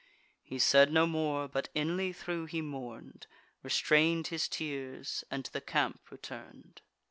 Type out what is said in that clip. He said no more, but, inly thro' he mourn'd, Restrained his tears, and to the camp return'd.